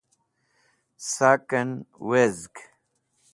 Saken Wezg